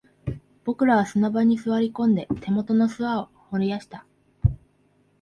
僕らは砂場に座り込んで、手元の砂を掘り出した